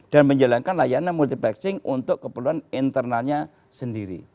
dan menjalankan layanan multiplexing untuk keperluan internalnya sendiri